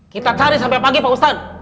kita cari sampai pagi pak ustadz